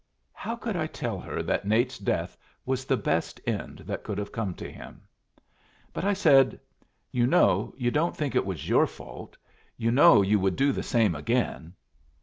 How could I tell her that Nate's death was the best end that could have come to him? But I said: "You know you don't think it was your fault. You know you would do the same again."